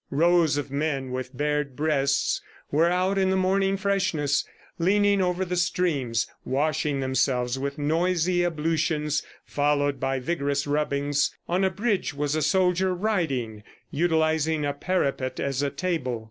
Rows of men with bared breasts were out in the morning freshness, leaning over the streams, washing themselves with noisy ablutions followed by vigorous rubbings. ... On a bridge was a soldier writing, utilizing a parapet as a table.